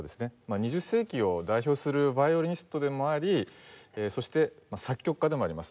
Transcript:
２０世紀を代表するヴァイオリニストでもありそして作曲家でもあります。